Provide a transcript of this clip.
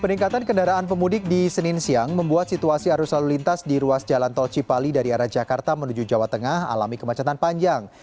peningkatan kendaraan pemudik di senin siang membuat situasi arus lalu lintas di ruas jalan tol cipali dari arah jakarta menuju jawa tengah alami kemacetan panjang